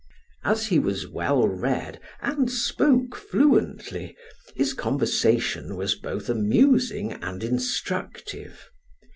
As he was well read, and spoke fluently, his conversation was both amusing and instructive.